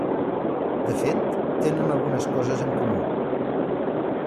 De fet, tenen algunes coses en comú.